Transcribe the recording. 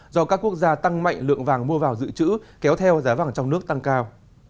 do các quốc gia tăng mạnh lượng vàng mua vào dự trữ kéo theo giá vàng trong nước tăng cao